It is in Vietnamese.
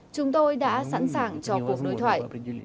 chúng tôi đã sẵn sàng cho cuộc nối thoại